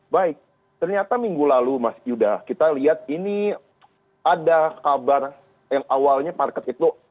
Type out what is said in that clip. baik ternyata minggu lalu mas yuda kita lihat ini ada kabar yang awalnya market itu